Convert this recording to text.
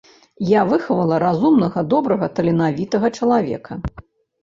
Я выхавала разумнага, добрага, таленавітага чалавека.